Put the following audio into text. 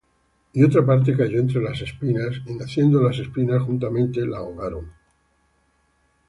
Y otra parte cayó entre las espinas; y naciendo las espinas juntamente, la ahogaron.